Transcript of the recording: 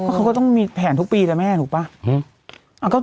เขาก็ต้องมีแผนทุกปีนะแม่ถูกป่ะ